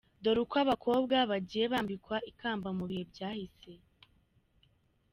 Dore uko abakobwa bagiye bambikwa ikamba mu ibihe byahise :.